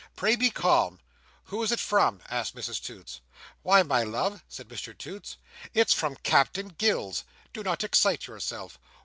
Pray be calm!" "Who is it from?" asked Mrs Toots. "Why, my love," said Mr Toots, "it's from Captain Gills. Do not excite yourself.